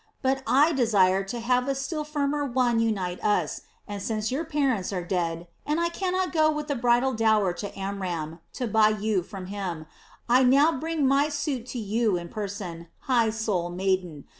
But I desired to have a still firmer one unite us, and since your parents are dead, and I cannot go with the bridal dower to Amram, to buy you from him, I now bring my suit to you in person, high souled maiden.